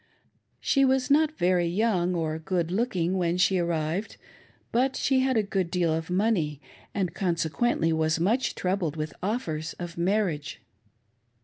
She was not very young or good looking when she. arrived, but she had a good deal of money, and consequently was much troubled with offers of marriage.